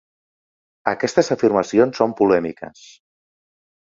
Aquestes afirmacions són polèmiques.